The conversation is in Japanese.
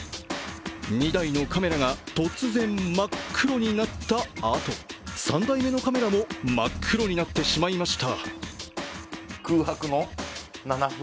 ２台のカメラが突然、真っ黒になったあと３台目のカメラも真っ黒になってしまいました。